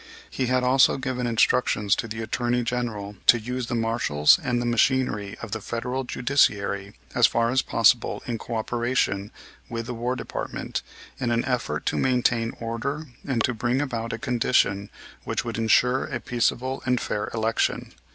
He had also given instructions to the Attorney General to use the marshals and the machinery of the Federal judiciary as far as possible in coöperation with the War Department in an effort to maintain order and to bring about a condition which would insure a peaceable and fair election.